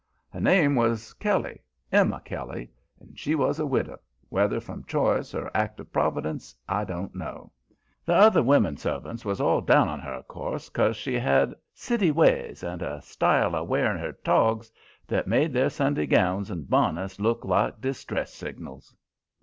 Her name was Kelly, Emma Kelly, and she was a widow whether from choice or act of Providence I don't know. The other women servants was all down on her, of course, 'cause she had city ways and a style of wearing her togs that made their Sunday gowns and bonnets look like distress signals.